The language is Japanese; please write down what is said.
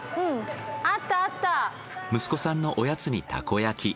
息子さんのおやつにたこ焼き。